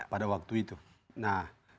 pada waktu itu nah